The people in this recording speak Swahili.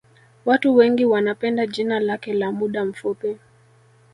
Watu wengi wanapenda jina lake la muda mfupi